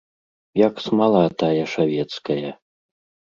Як смала тая шавецкая.